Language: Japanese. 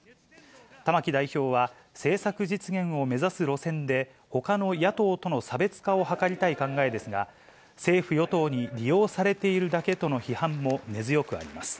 玉木代表は、政策実現を目指す路線でほかの野党との差別化を図りたい考えですが、政府・与党に利用されているだけとの批判も根強くあります。